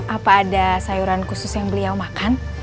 apa ada sayuran khusus yang beliau makan